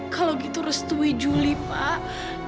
kalau gitu restui juli pak